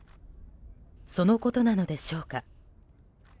そのことなのでしょうか。